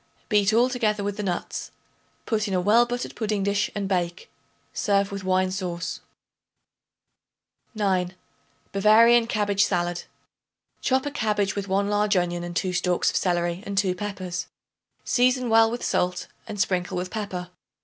Beat all together with the nuts; put in a well buttered pudding dish and bake. Serve with wine sauce. 9. Bavarian Cabbage Salad. Chop a cabbage with 1 large onion and 2 stalks of celery and 2 peppers; season well with salt and sprinkle with pepper.